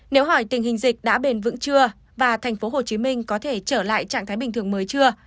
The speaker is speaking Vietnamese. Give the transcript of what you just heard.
nếu hỏi tình hình dịch đã bền vững chưa và tp hcm có thể trở lại trạng thái bình thường mới chưa